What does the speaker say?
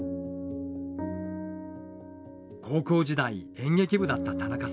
高校時代演劇部だった田中さん。